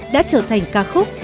đã trở thành ca khúc